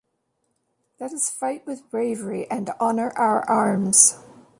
Let us fight with bravery and honor our arms.